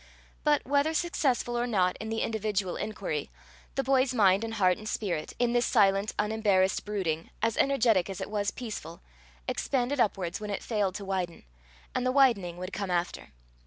But, whether successful or not in the individual inquiry, the boy's mind and heart and spirit, in this silent, unembarrassed brooding, as energetic as it was peaceful, expanded upwards when it failed to widen, and the widening would come after.